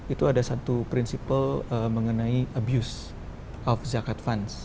itu ada satu prinsipal mengenai abuse of zakat fans